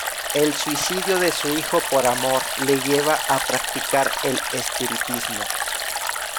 El suicidio de su hijo por amor le lleva a practicar el espiritismo.